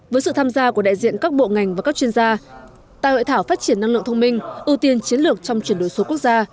với sự tham gia của đại diện các bộ ngành và các chuyên gia tại hội thảo phát triển năng lượng thông minh ưu tiên chiến lược trong chuyển đổi số quốc gia